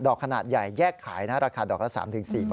อกขนาดใหญ่แยกขายนะราคาดอกละ๓๔บาท